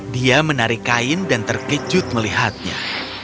dia menarik kain dan terkejut melihatnya